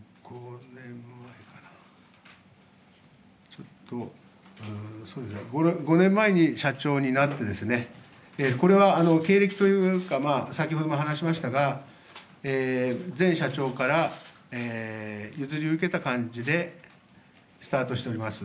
ちょっと、５年前に社長になってですね、これは経歴というか、先ほども話しましたが、前社長から譲り受けた感じで、スタートしております。